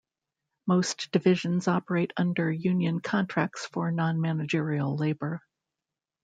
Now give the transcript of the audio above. Most divisions operate under union contracts for non-managerial labor.